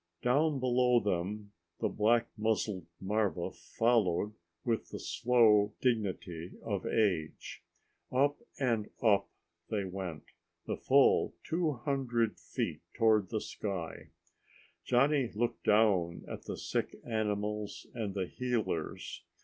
Down below them the black muzzled marva followed with the slow dignity of age. Up and up they went, the full two hundred feet toward the sky. Johnny looked down at the sick animals and the healers.